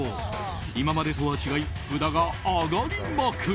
今までとは違い札が上がりまくる。